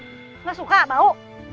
gak suka bau